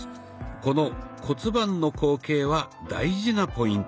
この骨盤の後傾は大事なポイント。